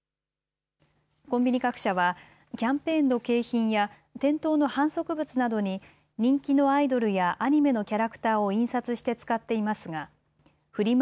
コンビニ各社はキャンペーンの景品や店頭の販促物などに人気のアイドルやアニメのキャラクターを印刷して使っていますがフリマ